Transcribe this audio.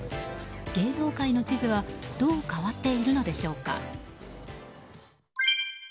芸能界の地図はどう変わっているのでしょうか。